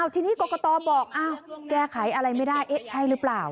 ทีนี้กรกตบอกแก้ไขอะไรไม่ได้เอ๊ะใช่หรือเปล่า